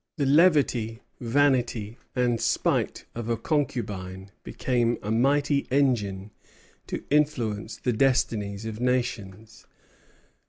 The levity, vanity, and spite of a concubine became a mighty engine to influence the destinies of nations.